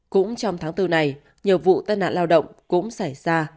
cũng trong tháng bốn này nhiều vụ tai nạn lao động cũng xảy ra